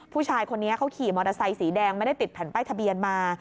ผู้ชายคนนี้เขาขี่มอเตอร์ไซค์สีแดงไม่ได้ติดแผ่นป้ายทะเบียนมา